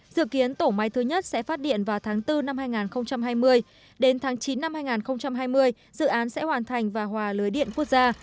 dự kiến tổ máy thứ nhất sẽ phát điện vào tháng bốn năm hai nghìn hai mươi đến tháng chín năm hai nghìn hai mươi dự án sẽ hoàn thành và hòa lưới điện quốc gia